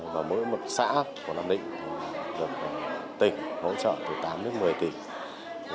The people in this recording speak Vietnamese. và mỗi một xã của nam định được tỉnh hỗ trợ từ tám đến một mươi tỉnh